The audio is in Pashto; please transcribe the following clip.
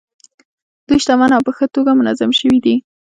دوی شتمن او په ښه توګه منظم شوي دي.